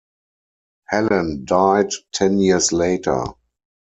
Helen died ten years later.